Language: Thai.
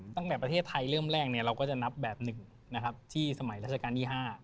ตั้งแต่ประเทศไทยเริ่มแรกเราก็จะนับแบบ๑นะครับที่สมัยราชการที่๕